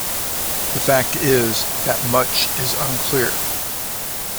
The fact is that much is unclear.